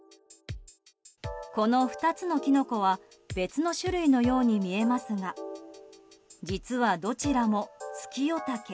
この２つのキノコは別の種類のように見えますが実は、どちらもツキヨタケ。